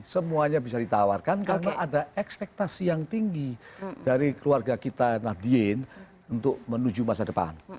semuanya bisa ditawarkan karena ada ekspektasi yang tinggi dari keluarga kita nahdien untuk menuju masa depan